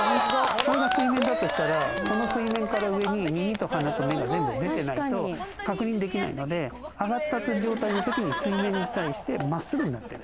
これが水面だとしたら、水面から上に耳と鼻と目が全部、出てないと確認できないので、上がった状態の時に水面に対してまっすぐになっている。